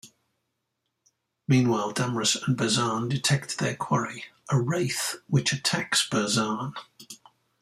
Meanwhile, Damrus and Burzaan detect their quarry, a "Wraith" which attacks Burzaan.